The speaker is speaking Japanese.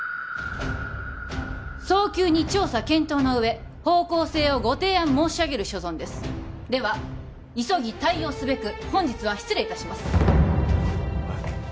早急に調査検討の上方向性をご提案申し上げる所存ですでは急ぎ対応すべく本日は失礼いたしますえっ